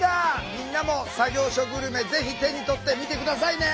みんなも作業所グルメぜひ手に取ってみて下さいね。